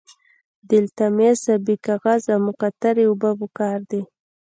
د لتمس ابي کاغذ او مقطرې اوبه پکار دي.